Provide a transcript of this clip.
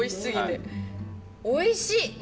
おいしい！